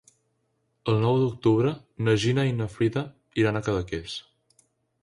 El nou d'octubre na Gina i na Frida iran a Cadaqués.